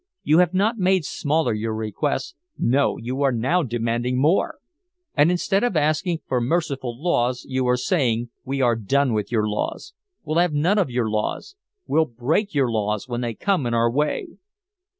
You have not made smaller your requests no, you are now demanding more! And instead of asking for merciful laws you are saying, 'We are done with your laws, will have none of your laws, will break your laws when they come in our way!'